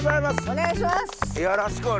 お願いします。